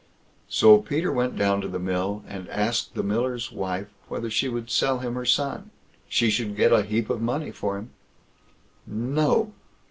So Peter went down to the mill, and asked the miller's wife whether she would sell him her son; she should get a heap of money for him? "No!"